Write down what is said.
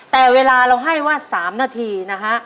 แต่เวลาเราให้ว่า๓นาทีนะฮะ